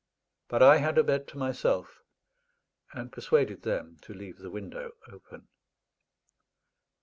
But I had a bed to myself, and persuaded them to leave the window open.